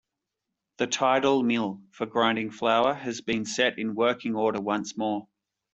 The tidal mill for grinding flour has been set in working order once more.